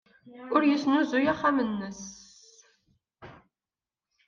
Ur yesnuzuy axxam-nnes.